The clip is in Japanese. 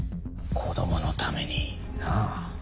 子供のためになぁ。